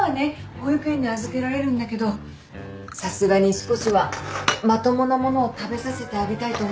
保育園に預けられるんだけどさすがに少しはまともな物を食べさせてあげたいと思ってて。